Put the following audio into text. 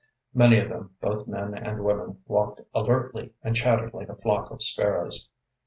Many of them, both men and women, walked alertly and chattered like a flock of sparrows.